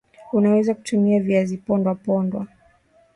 unaweza kutumia Viazi pondwa pondwa